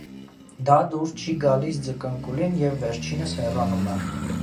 Դա դուր չի գալիս ձկնկուլին, և վերջինս հեռանում է։